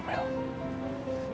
sampai ada yang menyakiti dia